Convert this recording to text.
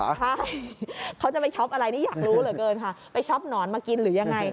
ใช่เขาจะไปช็อปอะไรนี่อยากรู้เหลือเกินค่ะไปช็อปหนอนมากินหรือยังไง